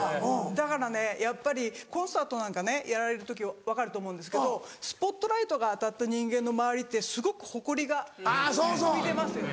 だからねやっぱりコンサートなんかねやられる時分かると思うんですけどスポットライトが当たった人間の周りってすごくホコリが浮いてますよね。